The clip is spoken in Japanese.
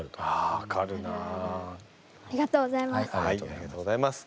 ありがとうございます。